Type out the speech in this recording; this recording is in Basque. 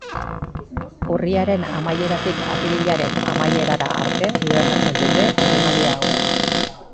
Urriaren amaieratik apirilaren amaierara arte hibernatzen dute animalia hauek.